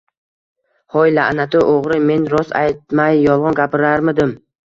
Hoy, la’nati o‘g‘ri, men rost aytmay, yolg‘on gapirarmidim